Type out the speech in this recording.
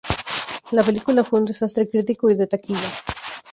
La película fue un desastre crítico y de taquilla.